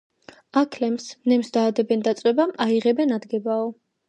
აქლემს ნემსს დაადებენ დაწვება, აიღებენ ადგებაო